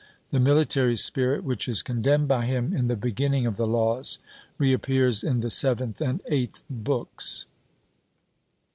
The military spirit which is condemned by him in the beginning of the Laws, reappears in the seventh and eighth books.